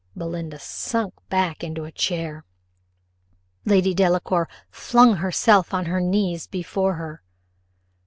Belinda sunk back into a chair; Lady Delacour flung herself on her knees before her.